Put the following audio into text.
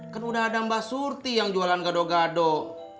kan udah ada mbak surti yang jualan gadoh gadoh